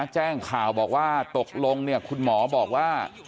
แจ้งข่าวบอกว่าตกลงคุณหมอบอกว่า